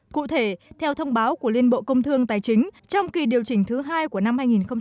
cụ thể theo thông báo của liên bộ công thương tài chính trong kỳ điều chỉnh thứ hai của năm hai nghìn một mươi chín